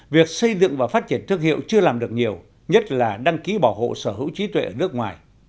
việc xây dựng và phát triển thương hiệu chưa làm được nhiều nhất là đăng ký bảo hộ sở hữu trí tuệ ở nước ngoài